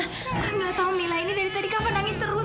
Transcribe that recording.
aku enggak tahu mila ini dari tadi kava nangis terus